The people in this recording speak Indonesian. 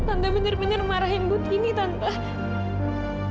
tante benar benar marahin ibu tini tante